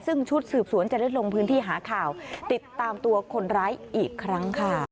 ซึ่งชุดสืบสวนจะได้ลงพื้นที่หาข่าวติดตามตัวคนร้ายอีกครั้งค่ะ